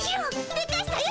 でかしたよ